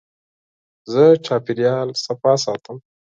زه چاپېریال پاک ساتم.